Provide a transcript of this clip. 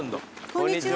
こんにちは。